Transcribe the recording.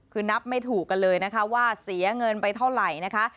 คือนับไม่ถูกกันเลยนะคะว่าเสียเงินไปเท่าไหร่นะคะ